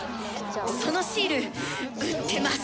そのシール売ってます。